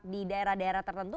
di daerah daerah tertentu